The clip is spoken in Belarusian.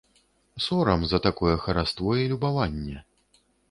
Сорам за такое хараство і любаванне.